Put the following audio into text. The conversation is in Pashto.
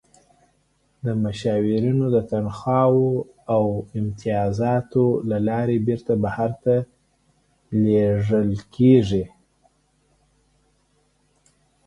د مشاورینو د تنخواوو او امتیازاتو له لارې بیرته بهر ته لیږدول کیږي.